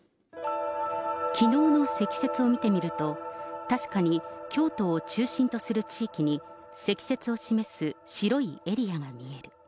きのうの積雪を見てみると、確かに京都を中心とする地域に積雪を示す白いエリアが見える。